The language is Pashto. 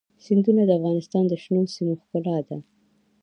سیندونه د افغانستان د شنو سیمو ښکلا ده.